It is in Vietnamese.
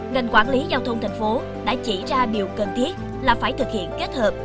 ngành quản lý giao thông thành phố đã chỉ ra điều cần thiết là phải thực hiện kết hợp